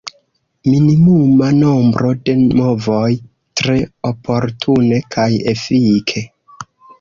Minimuma nombro de movoj – tre oportune kaj efike.